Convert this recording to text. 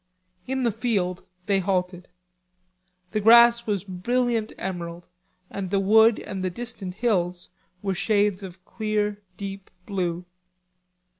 In the field they halted. The grass was brilliant emerald and the wood and the distant hills were shades of clear deep blue.